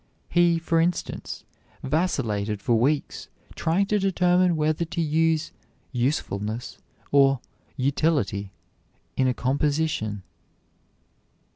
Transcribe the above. He, for instance, vacillated for weeks trying to determine whether to use "usefulness" or "utility" in a composition.